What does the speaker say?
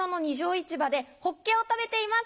市場でホッケを食べています。